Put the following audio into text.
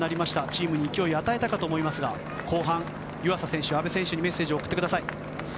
チームに勢いを与えたかと思いますが後半、湯浅選手阿部選手にメッセージを送ってください。